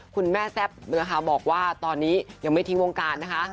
คุณแม่แซ่บนะคะบอกว่าตอนนี้ยังไม่ทิ้งวงการนะคะ